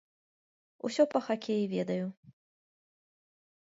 Усё па хакеі ведаю.